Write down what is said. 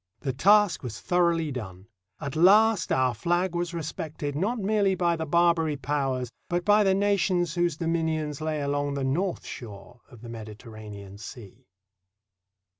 The task was thoroughly done. At last our flag was respected not merely by the Barbary Powers, but by the nations whose dominions lay along the north shore of the Mediterranean Sea.